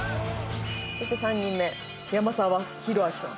そして３人目山澤礼明さん。